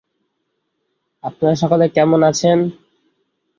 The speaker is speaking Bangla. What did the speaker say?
মুয় সিডনিতে জন্মগ্রহণ করেন।